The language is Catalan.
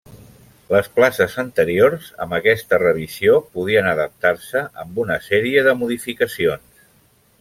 Les places anteriors amb aquesta revisió podien adaptar-se amb una sèrie de modificacions.